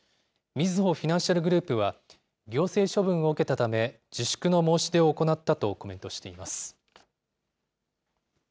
みずほフィナンシャルグループは、行政処分を受けたため、自粛の申し出を行ったとコメントしています。